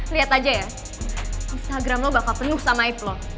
liat aja ya instagram lo bakal penuh sama if lo